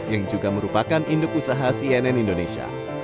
yang juga merupakan induk usaha cnn indonesia